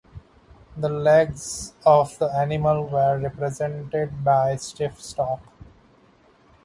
The legs of the animal were represented by stiff stalks.